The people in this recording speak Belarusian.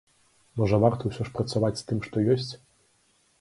Можа, варта ўсё ж працаваць з тым, што ёсць?